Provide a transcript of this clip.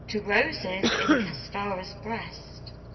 TO ROSES IN CASTARA'S BREAST.